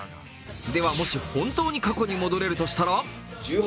では、もし本当に過去に戻れるとしたら？